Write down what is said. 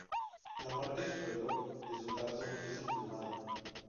La parte superior de su tarso es emplumada.